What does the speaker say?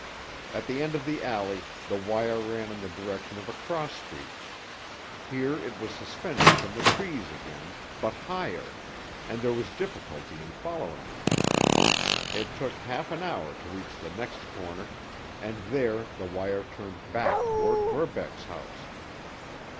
At the end of the alley, the wire ran in the direction of a cross street. Here it was suspended from the trees again, but higher, and there was difficulty in following it. It took half an hour to reach the next corner, and there the wire turned back toward Verbeck's house.